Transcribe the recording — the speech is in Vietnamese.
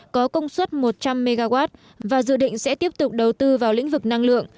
có công suất một trăm linh mw và dự định sẽ tiếp tục đầu tư vào lĩnh vực năng lượng